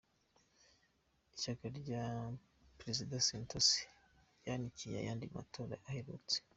Ishyaka rya Perezida Santosi ryanikiye ayandi mu matora aherutse